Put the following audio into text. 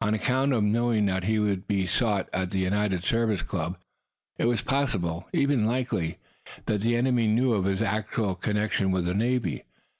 On account of their knowing that he was to be sought at the United Service Club it was possible even likely that the enemy knew of his actual connection with the Navy.